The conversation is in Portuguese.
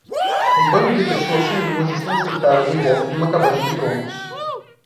Um bando de pessoas seminuas estão sentadas em volta de uma cabana de troncos